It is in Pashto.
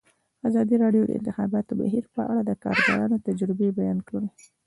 ازادي راډیو د د انتخاباتو بهیر په اړه د کارګرانو تجربې بیان کړي.